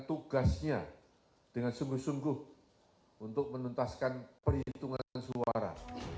tugasnya dengan sungguh sungguh untuk menuntaskan perhitungan suara